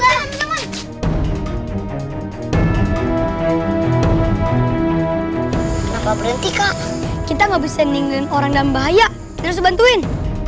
kenapa berhenti kak kita nggak bisa ninggalin orang dalam bahaya terus bantuin